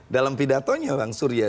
dalam pidatonya bang surya